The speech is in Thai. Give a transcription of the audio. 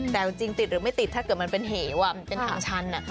แต่จริงติดหรือไม่ติดถ้าเกิดมันเป็นเหวมันเป็นทางชัน